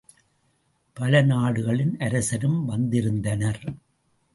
பல நாடுகளின் அரசரும் வந்திருந்தனர்.